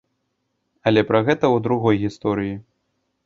Але пра гэта ў другой гісторыі.